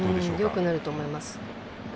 よくなると思います。